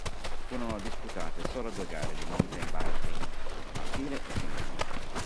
Furono disputate solo due gare di mountain biking, maschile e femminile.